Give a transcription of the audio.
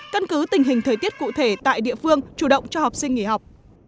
căn cứ tình hình thời tiết cụ thể tại địa phương chủ động cho học sinh nghỉ học